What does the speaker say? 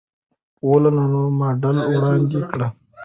ولوو نوی ماډل وړاندې کړ.